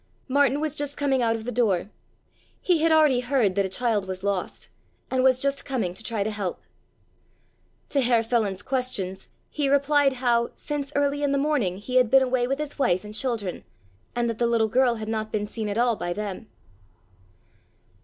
Martin was just coming out of the door. He had already heard that a child was lost and was just coming to try to help. To Herr Feland's questions he replied how, since early in the morning, he had been away with his wife and children, and that the little girl had not been seen at all by them.